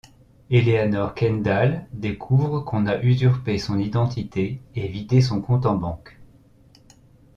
Eleanor Kendall découvre qu'on a usurpé son identité et vidé son compte en banque.